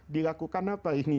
dilakukan apa ini